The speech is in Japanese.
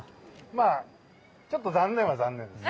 まあ、ちょっと残念は残念です。